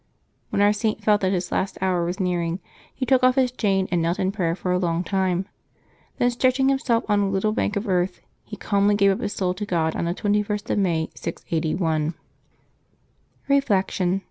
When our Saint felt that his last hour was nearing, he took off his chain and knelt in prayer for a long time. Then, stretching himself on a little bank of earth, he calmly gave up his soul to God, on the 21st of May, 681. Reflection.